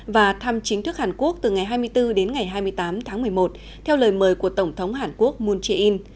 và thăm chính thức hàn quốc từ ngày hai mươi bốn đến ngày hai mươi tám tháng một mươi một theo lời mời của tổng thống hàn quốc moon jae in